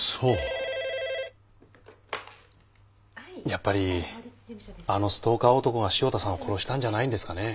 やっぱりあのストーカー男が汐田さんを殺したんじゃないんですかね？